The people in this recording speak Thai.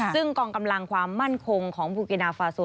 ซึ่งกองกำลังความมั่นคงของบูกินาฟาซู